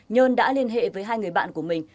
nhơn đã liên hệ với hai người bạn của mình